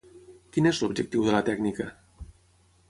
Quin és l'objectiu de la tècnica?